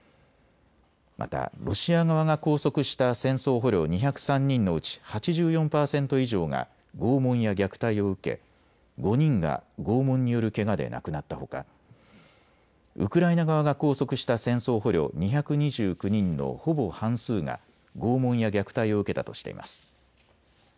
またロシア側が拘束した戦争捕虜２０３人のうち８４％以上が拷問や虐待を受け５人が拷問によるけがで亡くなったほか、ウクライナ側が拘束した戦争捕虜２２９人のほぼ半数が拷問や虐待を受けたとしています。